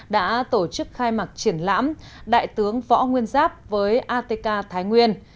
đã tổ chức khai mạc triển lãm đại tướng võ nguyên giáp với atk thái nguyên